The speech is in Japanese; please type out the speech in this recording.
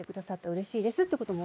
うれしいです」ってことも。